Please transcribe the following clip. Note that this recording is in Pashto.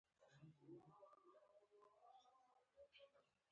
په افغانستان کې کندز سیند د خلکو له اعتقاداتو سره تړاو لري.